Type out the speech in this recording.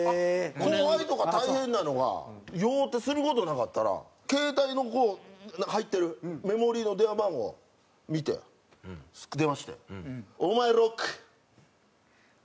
後輩とか大変なのが酔うてする事なかったら携帯の入ってるメモリーの電話番号見て電話して「お前ロック」。えっ？